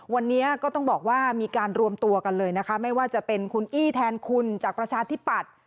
วันนี้ก็ต้องบอกว่ามีการรวมตัวกันเลยนะคะไม่ว่าจะเป็นคุณอี้แทนคุณจากประชาธิปัตย์